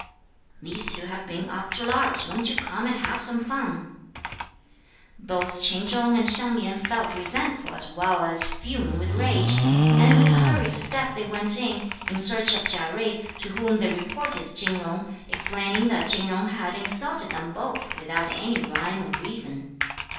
(These two have been up to larks, won't you come and have some fun!) Both Ch'in Chung and Hsiang Lin felt resentful as well as fuming with rage, and with hurried step they went in, in search of Chia Jui, to whom they reported Chin Jung, explaining that Chin Jung had insulted them both, without any rhyme or reason.